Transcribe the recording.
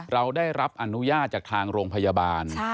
เราได้รับอนุญาตจากทางโรงพยาบาล